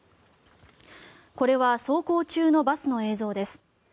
これは走行中のバスの映像です。